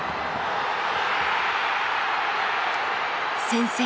先制。